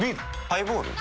ハイボール？